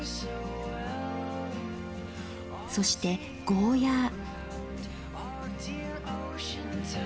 そしてゴーヤー。